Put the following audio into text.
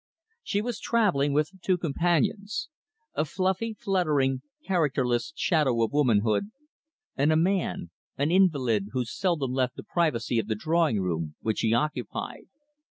She was traveling with two companions a fluffy, fluttering, characterless shadow of womanhood, and a man an invalid who seldom left the privacy of the drawing room which he occupied.